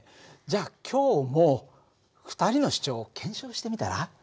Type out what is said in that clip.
じゃあ今日も２人の主張を検証してみたら？